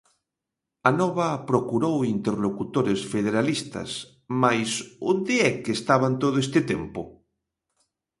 Anova procurou interlocutores federalistas, mais onde é que estaban todo este tempo?